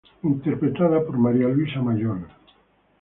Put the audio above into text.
Interpretada por María Luisa Mayol.